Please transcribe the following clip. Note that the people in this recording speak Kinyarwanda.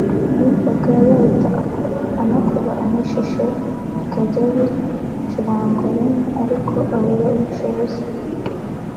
yumvaga yahita anakora amashusho bikajya bicurangirwa rimwe ariko abura ubushobozi